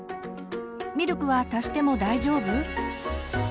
「ミルクは足しても大丈夫？」。